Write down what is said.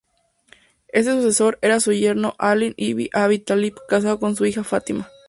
Este sucesor era su yerno Alí ibn Abi Tálib, casado con su hija Fátima.